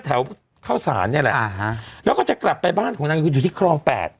แถวเข้าสารเนี่ยแหละแล้วก็จะกลับไปบ้านของนางวินอยู่ที่ครองแปด